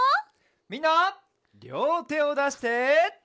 みんなりょうてをだして。